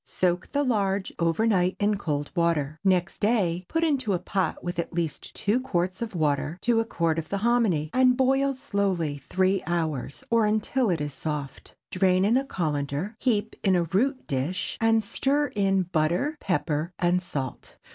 Soak the large over night in cold water. Next day put it into a pot with at least two quarts of water to a quart of the hominy, and boil slowly three hours, or until it is soft. Drain in a cullender, heap in a root dish, and stir in butter, pepper, and salt.